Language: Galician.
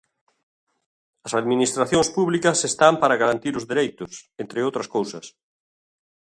As administracións públicas están para garantir os dereitos, entre outras cousas.